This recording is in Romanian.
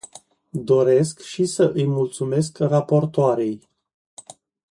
Doresc și să îi mulțumesc raportoarei.